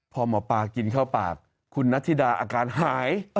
พอหมอปลากินเข้าปากคุณนัทธิดาอาการหาย